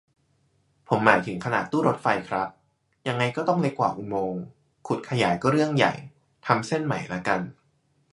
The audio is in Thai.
ผมหมายถึงขนาดตู้รถไฟครับ ยังไงก็ต้องเล็กกว่าอุโมงค์ ขุดขยายก็เรื่องใหญ่ ทำเส้นใหม่ละกัน